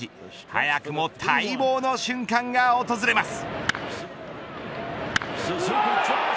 早くも待望の瞬間が訪れます。